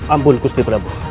ampun gusti prabu